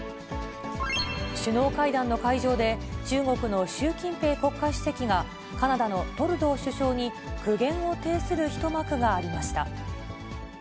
首脳会談の会場で、中国の習近平国家主席がカナダのトルドー首相に苦言を呈する一幕がありました。